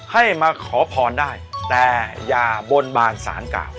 ให้มาขอพรได้แต่อย่าบนบานสารกล่าว